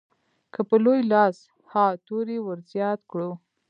که په لوی لاس ها توری ورزیات کړو.